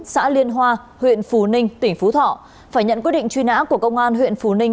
xã liên hoa huyện phú ninh tỉnh phú thọ phải nhận quyết định truy nã của công an huyện phú ninh